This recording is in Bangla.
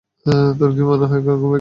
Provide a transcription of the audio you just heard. তোর কি মনে হয় গাঙুবাই গু খায়?